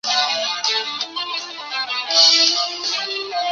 与可汗一样用在统治者身上。